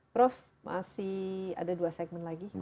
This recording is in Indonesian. prof masih ada dua segmen lagi